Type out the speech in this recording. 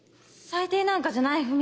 最低なんかじゃないさぁ。